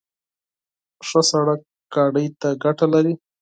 ښه سړک موټر ته ګټه لري.